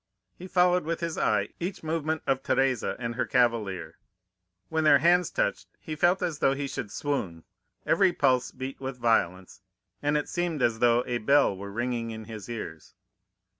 He followed with his eye each movement of Teresa and her cavalier; when their hands touched, he felt as though he should swoon; every pulse beat with violence, and it seemed as though a bell were ringing in his ears.